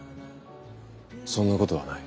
そんなことはない。